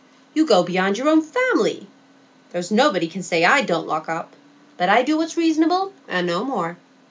"You go beyond your own family. There's nobody can say I don't lock up; but I do what's reasonable, and no more.